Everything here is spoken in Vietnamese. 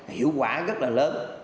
hiệu quả rất là lớn